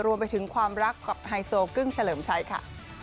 รวมไปถึงความรักกับไฮโซกึ้งเฉลิมชัยค่ะ